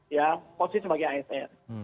ya posisi sebagai asn